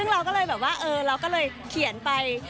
เราก็เลยเขียนไป